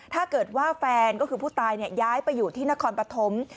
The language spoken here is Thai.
ถ้าเกิดว่าแฟนก็คือผู้ตายย้ายไปอยู่ที่นครปฐม